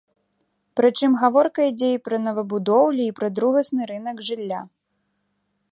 Прычым гаворка ідзе і пра новабудоўлі, і пра другасны рынак жылля.